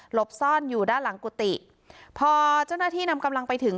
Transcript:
บซ่อนอยู่ด้านหลังกุฏิพอเจ้าหน้าที่นำกำลังไปถึง